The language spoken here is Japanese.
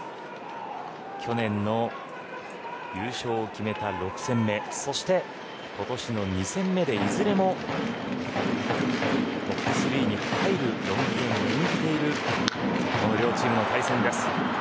去年の優勝を決めた６戦目そして今年の２戦目でいずれもトップ３に入るロングゲームを演じているこの両チームの対戦です。